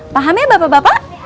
paham ya bapak bapak